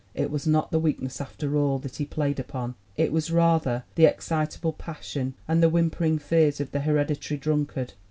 It was not the weak ness, after all, that he had played upon it was rather the excitable passion and the whimpering fears of the hereditary drunkard.